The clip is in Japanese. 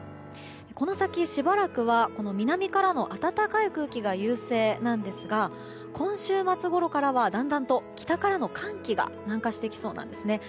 この先、しばらくは南からの暖かい空気が優勢なんですが今週末ごろからは、だんだんと北からの寒気が南下してきそうなんですね。